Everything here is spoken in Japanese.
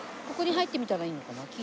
ここに入ってみたらいいのかな？